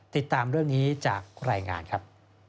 ติดตามเรื่องนี้จากรายงานครับ